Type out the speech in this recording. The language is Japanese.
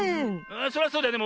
それはそうだよね。